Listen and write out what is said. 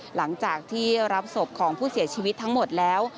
หลังจากที่รับศพของผู้เสียชีวิตทั้งหมดแล้ว